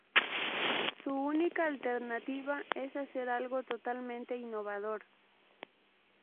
Su única alternativa es hacer algo totalmente innovador.